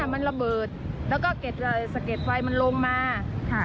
มันระเบิดแล้วก็สะเก็ดไฟมันลงมาค่ะ